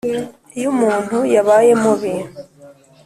iyo umuntu yabaye mubi